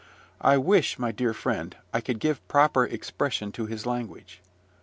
I wish, my dear friend, I could give proper expression to his language.